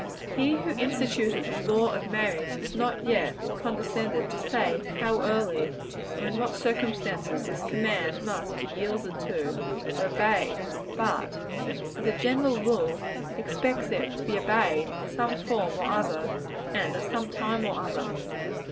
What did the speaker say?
He who instituted the law of marriage, has not, indeed, condescended to say how early or in what circumstances this command must be yielded to, or obeyed; but, as a general rule, he requires it to be obeyed, in some form or other, and at some time or other.